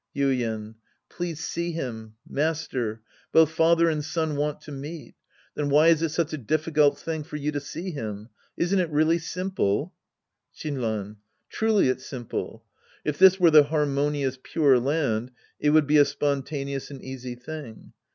Yuien. Please see him. Master. Both father and son want to meet. Then why is it such a diffir cult thing for you to see him ? Isn't it really simple ? Shinran Truly it's simple. If this were the harmonious Pure Land, it would be a spontaneous and easy thing.